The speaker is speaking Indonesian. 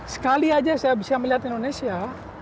sekali aja saya bisa melihat indonesia